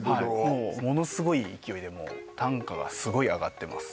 もうものすごい勢いでもう単価がすごい上がってます